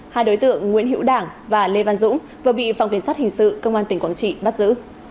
hai đối tượng nguyễn hữu đảng và lê văn dũng vừa bị phòng kiểm soát hình sự công an tỉnh quảng trị bắt giữ